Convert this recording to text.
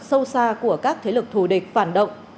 sâu xa của các thế lực thù địch phản động